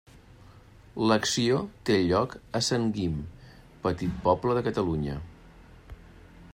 L'acció té lloc a Sant Guim, petit poble de Catalunya.